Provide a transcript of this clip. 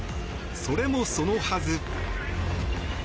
それもそのはず。